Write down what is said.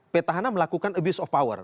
pt hana melakukan abuse of power